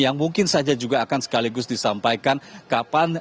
yang mungkin saja juga akan sekaligus disampaikan kapan